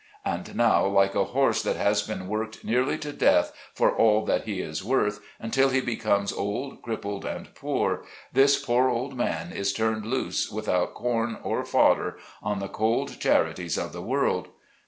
And now, like a horse that has been worked nearly to death for all that he is worth, until he becomes old, crippled and poor, this poor old man is turned loose without corn or fodder, on the cold charities of the world.